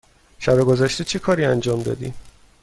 شب گذشته چه کاری انجام دادی؟